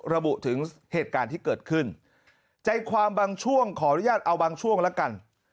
ระบุถึงเหตุการณ์ที่เกิดขึ้นใจความบางช่วงขออนุญาตเอาบางช่วงละกัน